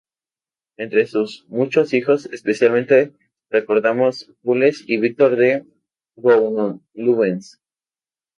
Entre sus muchos hijos, especialmente recordamos Jules y Victor de Gounon-Loubens.